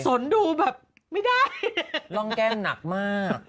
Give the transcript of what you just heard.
สนดูแบบไม่ได้ร่องแก้มหนักมาก